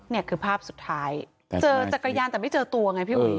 นี่คือภาพสุดท้ายเจอจักรยานแต่ไม่เจอตัวไงพี่อุ๋ย